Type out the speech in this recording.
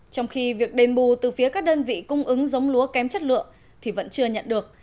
trong khi việc đền bù từ phía các đơn vị cung ứng giống lúa kém chất lượng thì vẫn chưa nhận được